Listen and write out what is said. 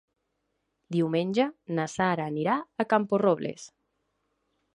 Diumenge na Sara anirà a Camporrobles.